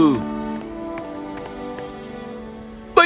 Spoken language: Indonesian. kau sudah tiba